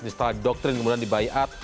setelah di doktrin kemudian di bayat